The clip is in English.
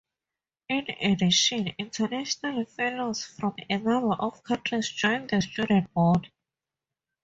In addition, international fellows from a number of countries join the student body.